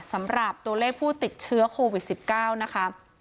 สำหรับตัวเลขผู้ติดเชื้อโควิด๑๙นะคะ